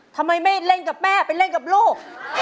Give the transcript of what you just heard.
ทำไมไม่เล่นกับแม่ไปเล่นกับลูก